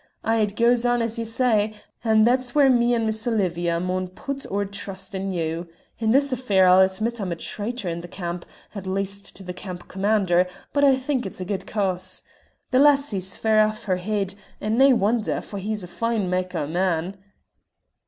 Ay, it gaes on as ye say, and that's where me and Miss Olivia maun put oor trust in you. In this affair I'll admit I'm a traitor in the camp at least, to the camp commander, but I think it's in a guid cause. The lassie's fair aff her heid, and nae wonder, for he's a fine mak' o' a man."